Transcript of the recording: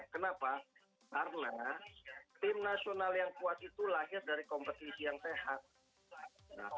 kenapa karena tim nasional yang kuat itu lahir dari kompetisi yang sehat